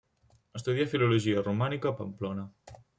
Estudià filologia romànica a Pamplona.